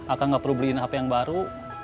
akang gak perlu beliin hp yang baru